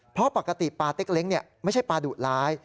เพราะปกติปลาเต็กเล็กเนี่ยไม่ใช่ปลาดูดร้าย